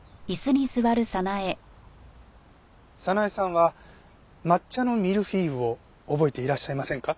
早苗さんは抹茶のミルフィーユを覚えていらっしゃいませんか？